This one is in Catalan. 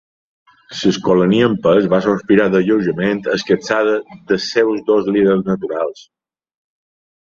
L'Escolania en pes va sospirar d'alleujament, escapçada dels seus dos líders naturals.